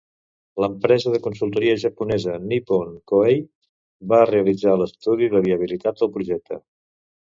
L'empresa de consultoria japonesa Nippon Koei va realitzar l'estudi de viabilitat del projecte.